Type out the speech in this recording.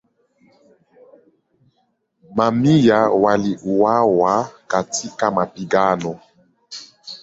Mamia waliuawa katika mapigano.